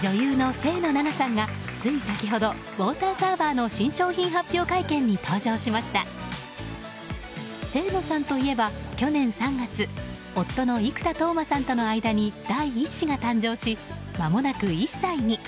清野さんといえば去年３月夫の生田斗真さんとの間に第１子が誕生しまもなく１歳に。